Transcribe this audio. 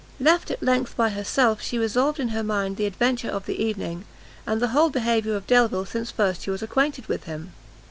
Left at length by herself, she revolved in her mind the adventure of the evening, and the whole behaviour of Delvile since first she was acquainted with him.